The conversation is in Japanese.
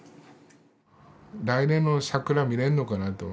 来年の桜見れんのかなと。